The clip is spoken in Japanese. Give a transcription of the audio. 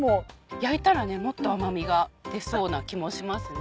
焼いたらもっと甘味が出そうな気もしますね。